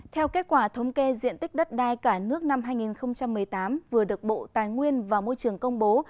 theo kết quả thống kê diện tích đất đai cả nước năm hai nghìn một mươi tám vừa được bộ tài nguyên và môi trường công bố